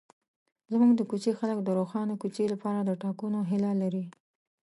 زموږ د کوڅې خلک د روښانه کوڅې لپاره د ټاکنو هیله لري.